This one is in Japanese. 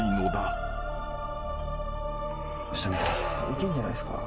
「いけんじゃないですか？」